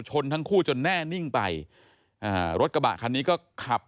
ทั้งคู่จนแน่นิ่งไปอ่ารถกระบะคันนี้ก็ขับ